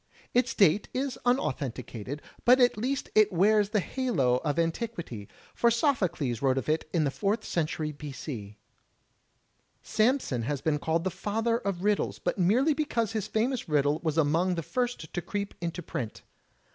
Its date is imauthenticated, but at least it wears the halo of antiquity, for Sophocles wrote of it in the Fourth Century b. c. Samson has been called the Father of Riddles, but merely because his famous riddle was among the first to creep into print.